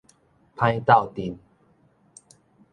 歹鬥陣